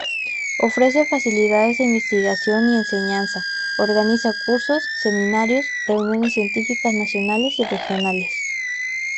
Ofrece facilidades de investigación y enseñanza, organiza cursos, seminarios, reuniones científicas nacionales y regionales